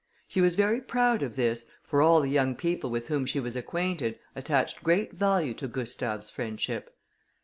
She was very proud of this, for all the young people with whom she was acquainted, attached great value to Gustave's friendship.